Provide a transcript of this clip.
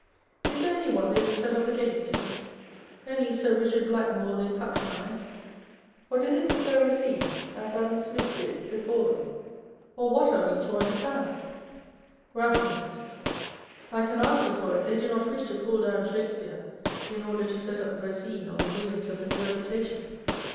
Is there any one they would set up against him â€" any Sir Eichard Blackmore they patronise ; or do they prefer Eacine, as Adam Smith did before them ? Or what are we to understand '? Rationalist. I can answer for it, they do not wish to pull down Shakespeare in order to set up Eacine on the ruins of his reputation.